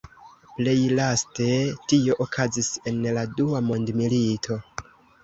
Plej laste tio okazis en la Dua Mondmilito.